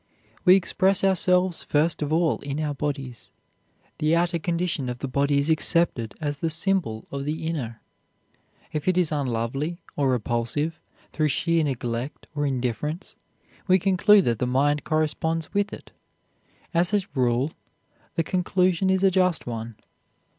We express ourselves first of all in our bodies. The outer condition of the body is accepted as the symbol of the inner. If it is unlovely, or repulsive, through sheer neglect or indifference, we conclude that the mind corresponds with it. As a rule, the conclusion is a just one.